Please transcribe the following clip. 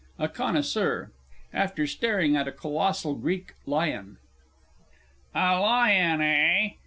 A CONNOISSEUR (after staring at a colossal Greek lion). A lion, eh?